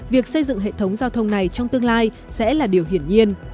việc xây dựng hệ thống giao thông này trong tương lai sẽ là điều hiển nhiên